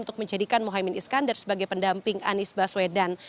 untuk menjadikan mohaimin iskandar sebagai pendamping anies baswedan